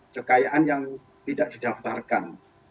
kekayaan yang tidak didaftarkan